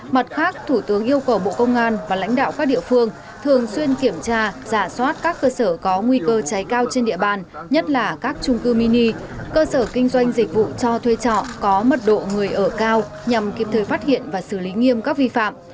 mặt khác thủ tướng yêu cầu bộ công an và lãnh đạo các địa phương thường xuyên kiểm tra giả soát các cơ sở có nguy cơ cháy cao trên địa bàn nhất là các trung cư mini cơ sở kinh doanh dịch vụ cho thuê trọ có mật độ người ở cao nhằm kịp thời phát hiện và xử lý nghiêm các vi phạm